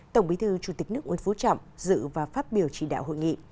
tổng bí thư chủ tịch nước nguyễn phú trọng dự và phát biểu chỉ đạo hội nghị